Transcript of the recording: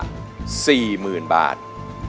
น้องตาชอบให้แม่ร้องเพลง๒๐